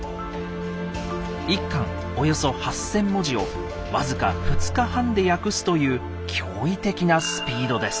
１巻およそ８，０００文字を僅か２日半で訳すという驚異的なスピードです。